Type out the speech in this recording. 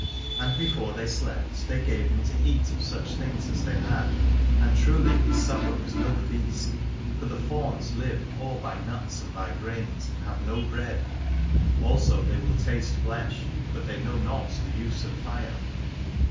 And before they slept they gave him to eat of such things as they had : and truly his supper was no feast. For the fauns live all by nuts and by grains, and have no bread : also they will taste flesh but they know not the use of fire.